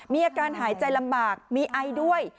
มีอาการหายใจลำบากมีไอด้วย